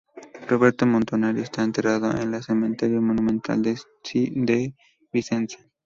Roberto Montanari está enterrado en el cementerio monumental de Vicenza.